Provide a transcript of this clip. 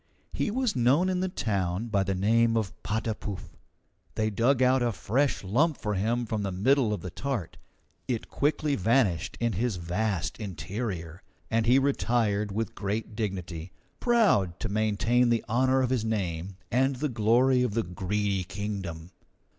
He was known in the town by the name of Patapouf. They dug out a fresh lump for him from the middle of the tart. It quickly vanished in his vast interior, and he retired with great dignity, proud to maintain the honour of his name and the glory of the Greedy Kingdom.